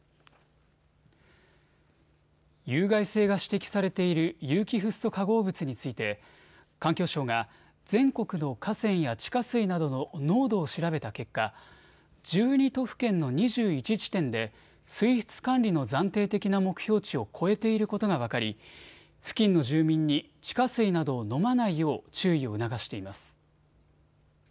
有害性が指摘されている有機フッ素化合物について環境省が全国の河川や地下水などの濃度を調べた結果１２都府県の２１地点で水質管理の暫定的な目標値を超えていることが分かり付近の住民に地下水などを飲まないよう注意を促しています。